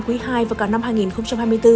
quý ii và cả năm hai nghìn hai mươi bốn